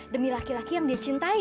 demi laki laki yang dia cintai